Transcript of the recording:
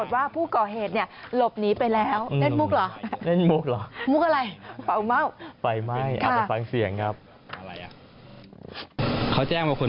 อยากไปว่าเป็นใคร